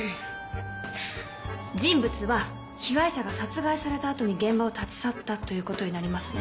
人物は被害者が殺害されたあとに現場を立ち去ったという事になりますね？